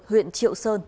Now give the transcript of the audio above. huyện triệu sơn